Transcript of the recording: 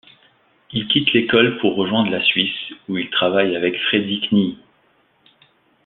Il quitte l'école pour rejoindre la Suisse où il travaille avec Fredy Knie.